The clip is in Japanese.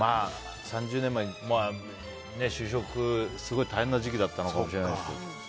３０年前って就職、すごい大変な時期だったのかもしれないですけど。